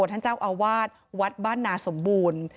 ท่านเจ้าอาวาสวัดบ้านนาสมบูรณ์